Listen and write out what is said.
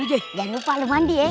jangan lupa lo mandi ya